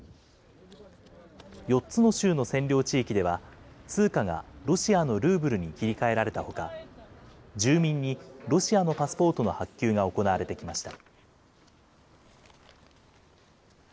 ４つの州の占領地域では、通貨がロシアのルーブルに切り替えられたほか、住民にロシアのパスポートの発給が行われてきました。